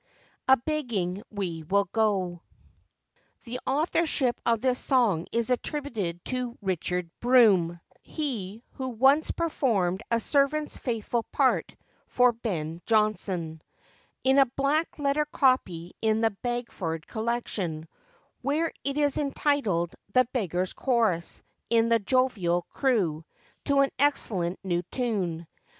A BEGGING WE WILL GO. [THE authorship of this song is attributed to Richard Brome—(he who once 'performed a servant's faithful part' for Ben Jonson)—in a black letter copy in the Bagford Collection, where it is entitled The Beggars' Chorus in the 'Jovial Crew,' to an excellent new tune.